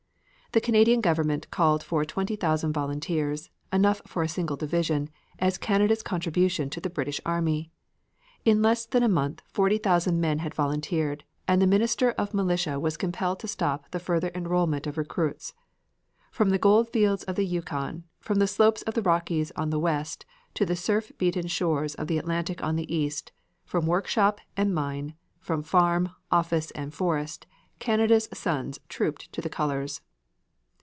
The Canadian Government called for 20,000 volunteers enough for a single division as Canada's contribution to the British army. In less than a month 40,000 men had volunteered, and the Minister of Militia was compelled to stop the further enrolment of recruits. From the gold fields of the Yukon, from the slopes of the Rockies on the west to the surf beaten shores of the Atlantic on the east; from workshop and mine; from farm, office and forest, Canada's sons trooped to the colors.